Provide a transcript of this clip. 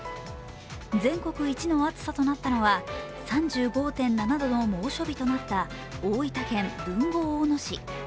全国いちの厚さとなったのは３５．７度の猛暑日となった大分県豊後大野市。